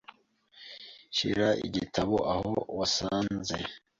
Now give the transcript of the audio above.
Shira igitabo aho wasanze.